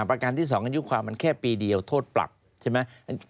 ประการที่๒อายุความมันแค่ปีเดียวโทษปรับใช่ไหม